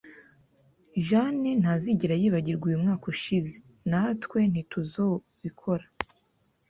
Jane ntazigera yibagirwa uyu mwaka ushize. Natwe ntituzobikora